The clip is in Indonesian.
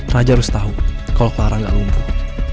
raja harus tahu kalau clara gak lumpuh